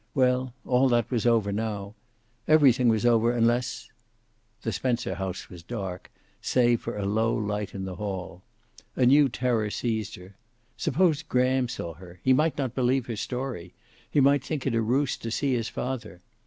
Well, all that was over now. Everything was over, unless The Spencer house was dark, save for a low light in the hall. A new terror seized her. Suppose Graham saw her. He might not believe her story. He might think it a ruse to see his father.